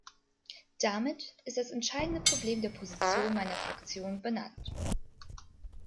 Damit ist das entscheidende Problem der Position meiner Fraktion benannt.